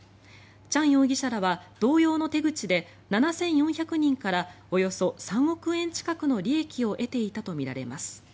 チャン容疑者らは同様の手口で７４００人からおよそ３億円近くの利益を得ていたとみられます。